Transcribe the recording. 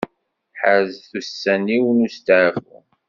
Ḥerzet ussan-iw n usteɛfu.